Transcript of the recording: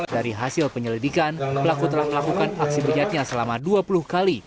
dari hasil penyelidikan pelaku telah melakukan aksi bejatnya selama dua puluh kali